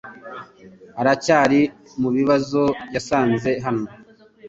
Aracyari mu bibazo yasanze hano?